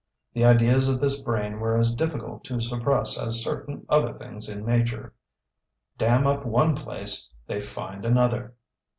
The ideas of this brain were as difficult to suppress as certain other things in nature. Dam up one place they find another.